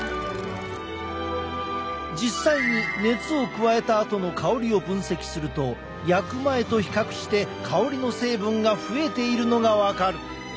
実際に熱を加えたあとの香りを分析すると焼く前と比較して香りの成分が増えているのが分かる。